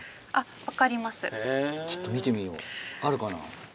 ちょっと見てみようあるかな？